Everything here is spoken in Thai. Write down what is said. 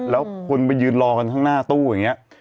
แล้วคนไปยืนรอกันข้างหน้าตู้อย่างนี้